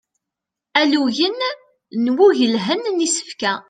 Alugen n uwgelhen n isefka.